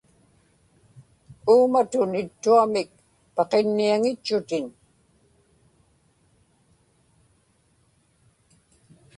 uumatun ittuamik paqinniaŋitchutin